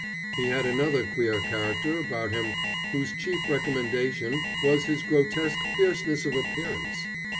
He had another queer character about him, whose chief recommendation was his grotesque fierceness of appearance.